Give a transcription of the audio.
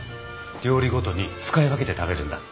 料理ごとに使い分けて食べるんだ。